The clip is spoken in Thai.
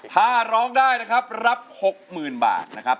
ถ้าร้องได้นะครับรับ๖๐๐๐บาทนะครับ